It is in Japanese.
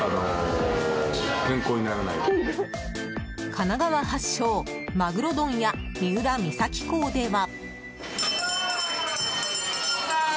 神奈川発祥まぐろ問屋三浦三崎港では。